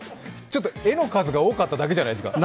ちょっと「え」の数が多かっただけじゃないですか？